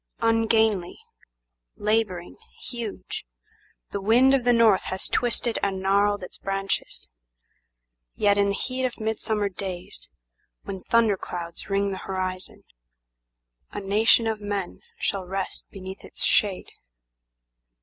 Ungainly, labouring, huge, The wind of the north has twisted and gnarled its branches; Yet in the heat of midsummer days, when thunder clouds ring the horizon,A nation of men shall rest beneath its shade.